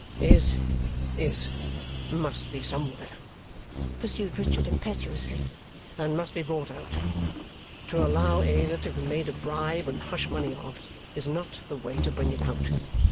"Is is must be somewhere," pursued Richard impetuously, "and must be brought out. To allow Ada to be made a bribe and hush money of is not the way to bring it out.